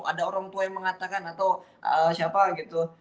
ada orang tua yang mengatakan atau siapa gitu